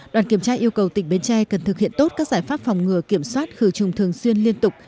đoàn kiểm tra yêu cầu tỉnh bến tre cần thực hiện tốt các giải pháp phòng ngừa kiểm soát khử trùng thường xuyên liên tục